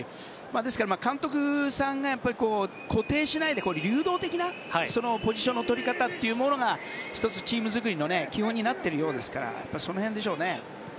ですから監督さんの固定しないで、流動的なポジションの取り方が１つ、チーム作りの基本になっているようですからその辺でしょうね。